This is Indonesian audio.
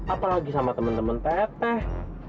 apalagi sama temen temen teh teh